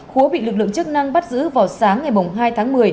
kha bị lực lượng chức năng bắt giữ vào sáng ngày hai tháng một mươi